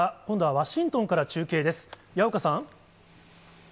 今度はワシントンから中継です。